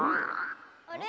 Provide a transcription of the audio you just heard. あれ？